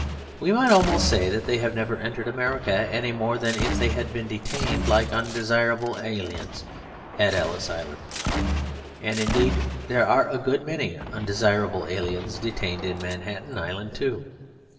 We might almost say that they have never entered America, any more than if they had been detained like undesirable aliens at Ellis Island. And indeed there are a good many undesirable aliens detained in Manhattan Island too.